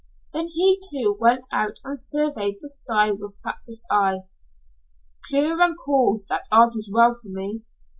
Then he, too, went out and surveyed the sky with practiced eye. "Clear and cool that argues well for me.